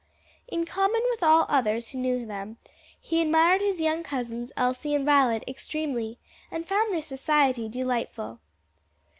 In common with all others who knew them, he admired his young cousins, Elsie and Violet, extremely, and found their society delightful.